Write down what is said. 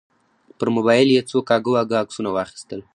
پر موبایل یې څو کاږه واږه عکسونه واخیستل.